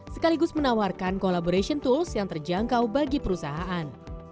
sekaligus menawarkan collaboration tools yang terjangkau bagi perusahaan